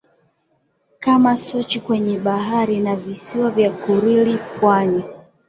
kama Sochi kwenye Bahari na visiwa vya Kurili Pwani